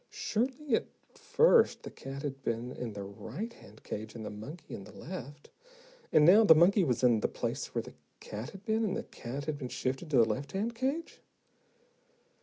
Surely, at first the cat had been in the right hand cage, and the monkey in the left! And now, the monkey was in the place where the cat had been and the cat had been shifted to the left hand cage.